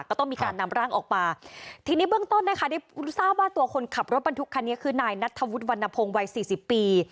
ก็ต้องมีการนำร่างออกมาทีนี้เบื้องต้นนะคะได้ทราบว่าตัวคนขับรถบรรทุกคันนี้คือนายนัทธวุฒิวรรณพงศ์วัยสี่สิบปี